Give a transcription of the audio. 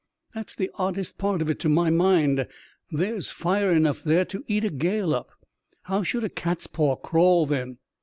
That's the oddest part of it to my mind. There's fire enough there to eat a gale up. How should a cat's paw crawl then?"